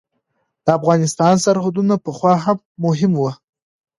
د افغانستان سرحدونه پخوا هم مهم وو.